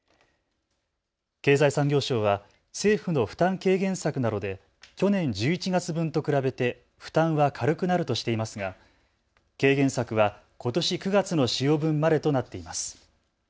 経済産業省は政府の負担軽減策などで去年１１月分と比べて負担は軽くなるとしていますが軽減策はことし９月の使用分までとなっています。